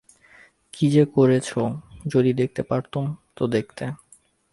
কী যে করেছ যদি দেখাতে পারতুম তো দেখতে।